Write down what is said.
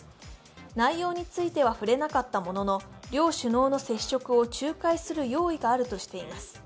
内容については触れなかったものの、両首脳の接触を仲介する用意があるとしています。